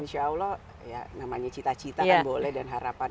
insya allah ya namanya cita cita kan boleh dan harapan